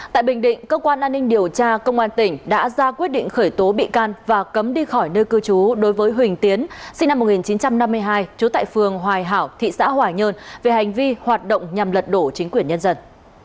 tại bình định cơ quan an ninh điều tra công an tỉnh đã ra quyết định khởi tố bị can và cấm đi khỏi nơi cư trú đối với huỳnh tiến sinh năm một nghìn chín trăm năm mươi hai trú tại phường hoài hảo thị xã hòa nhơn về hành vi hoạt động nhằm lật đổ chính quyền nhân dân